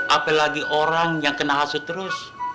apalagi orang yang kena hasu terus